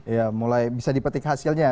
ya mulai bisa dipetik hasilnya